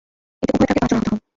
এতে উভয় ট্রাকের পাঁচজন আহত হন।